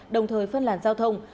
đồng thời phân làn giao thông